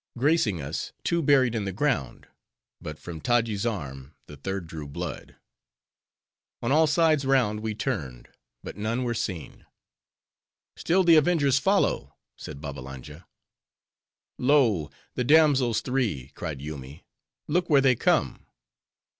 Gracing us, two buried in the ground, but from Taji's arm, the third drew blood. On all sides round we turned; but none were seen. "Still the avengers follow," said Babbalanja. "Lo! the damsels three!" cried Yoomy. "Look where they come!"